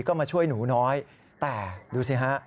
ก็มาช่วยหนูน้อยแต่ดูสิฮะ